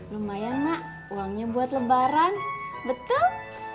lumayan mak uangnya buat lebaran betul